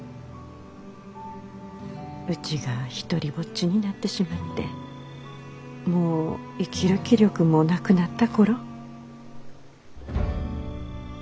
うちが独りぼっちになってしまってもう生きる気力もなくなった頃。